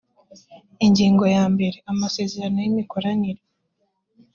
ingingo ya mbere amasezerano y imikoranire